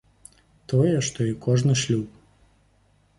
Тое, што і кожны шлюб.